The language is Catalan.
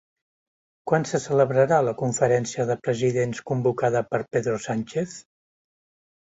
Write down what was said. Quan se celebrarà la conferència de presidents convocada per Pedro Sánchez?